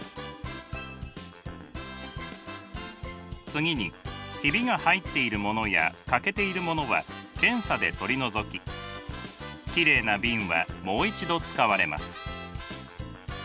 次にひびが入っているものや欠けているものは検査で取り除ききれいな瓶はもう一度使われます。